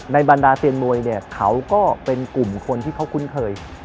บรรดาเซียนมวยเนี่ยเขาก็เป็นกลุ่มคนที่เขาคุ้นเคย